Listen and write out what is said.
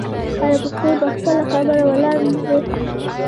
آیا پښتون په خپله خبره ولاړ نه دی؟